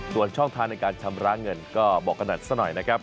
ส่วนช่องทางในการชำระเงินก็บอกกันหน่อยซะหน่อยนะครับ